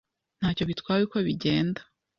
Ntacyo bitwaye uko bigenda.